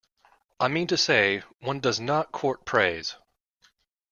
I mean to say, one does not court praise.